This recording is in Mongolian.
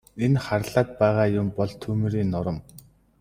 Энэ харлаад байгаа бол түймрийн нурам.